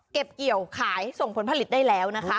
เก็บเกี่ยวขายส่งผลผลิตได้แล้วนะคะ